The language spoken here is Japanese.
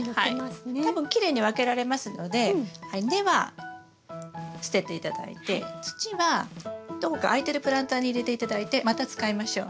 多分きれいに分けられますので根は捨てて頂いて土はどこか空いてるプランターに入れて頂いてまた使いましょう。